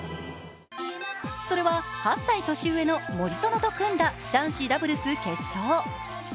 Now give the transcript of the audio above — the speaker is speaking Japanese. それは８歳年上の森薗と組んだ男子ダブルス決勝。